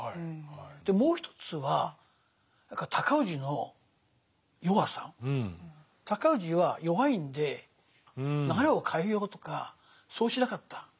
でもう一つは尊氏は弱いんで流れを変えようとかそうしなかった。